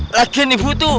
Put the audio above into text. lagi nih butuh